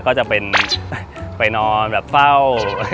ก็จะเป็นไปนอนแบบเฝ้า